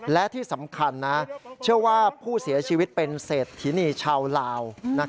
และที่สำคัญนะเชื่อว่าผู้เสียชีวิตเป็นเศรษฐินีชาวลาว